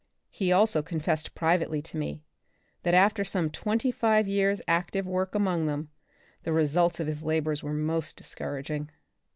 He also confessed privately to me, that after some twenty five years active work among them, the results of his labors were most discouraging.